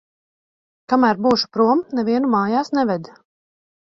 Kamēr būšu prom, nevienu mājās neved.